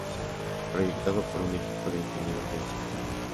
Proyectado por un equipo de ingenieros del Prof.